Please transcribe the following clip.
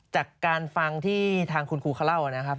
จากการฟังที่ทางคุณครูเขาเล่านะครับ